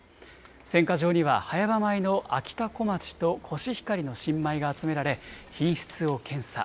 選果場には、早場米のあきたこまちとコシヒカリの新米が集められ、品質を検査。